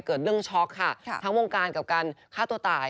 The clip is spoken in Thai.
เกิดเรื่องช็อกค่ะทั้งวงการกับการฆ่าตัวตาย